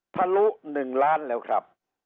ทะลุ๑ล้านแล้วครับ